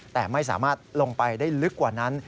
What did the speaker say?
แต่ไม่สามารถลงไปได้ลึกกว่านั้น